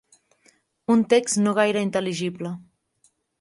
Un text no gaire intel·ligible.